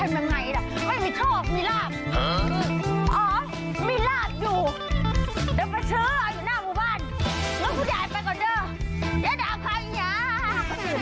ไปชื้อราบความขอบคุณ